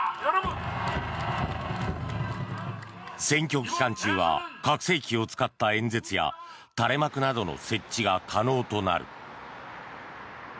選挙期間中は拡声器を使った演説や垂れ幕などの設置が可能となる。